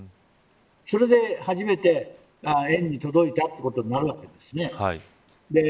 それで初めて園に届いたことになるわけです。